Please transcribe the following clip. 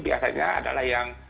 biasanya adalah yang